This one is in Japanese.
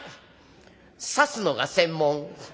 指すのが専門。